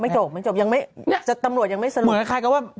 จบไม่จบจัดตำรวจยังไม่สรุป